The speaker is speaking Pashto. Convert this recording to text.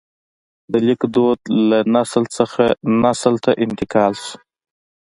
د لیک دود له نسل نه نسل ته انتقال شو.